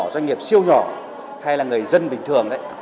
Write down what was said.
doanh nghiệp siêu nhỏ hay là người dân bình thường đấy